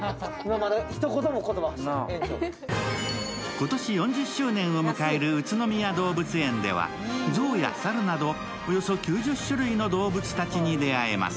今年４０周年を迎える宇都宮動物園では象や猿などおよそ９０種類の動物たちに出会えます。